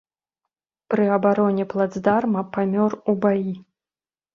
Пры абароне плацдарма памёр у баі.